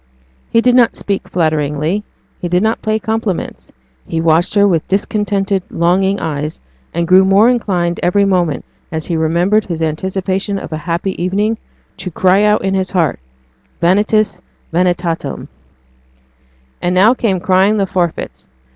He did not speak flatteringly he did not pay compliments he watched her with discontented, longing eyes, and grew more inclined every moment, as he remembered his anticipation of a happy evening, to cry out in his heart vanitas vanitatum. And now came crying the forfeits.